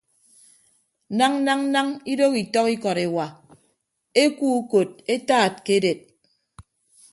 Nañ nañ nañ idooho itọk ikọt ewa ekuo ukot etaat ke edet.